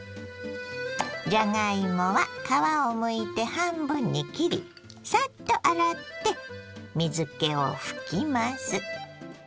じゃがいもは皮をむいて半分に切りサッと洗って水けを拭きます。